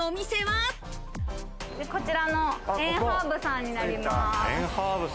こちらのエンハーブさんになります。